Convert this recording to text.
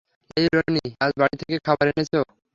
এই রনি, আজ বাড়ি থেকে খাবার এনেছো?